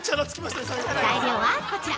材料はこちら！